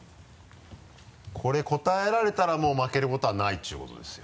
これ答えられたら負けることはないということですよ。